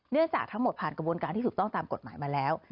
จากทั้งหมดผ่านกระบวนการที่ถูกต้องตามกฎหมายมาแล้ว